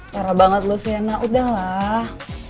parah banget lu sienna udahlah